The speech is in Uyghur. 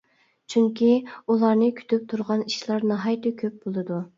چۈنكى، ئۇلارنى كۈتۈپ تۇرغان ئىشلار ناھايىتى كۆپ بولىدۇ.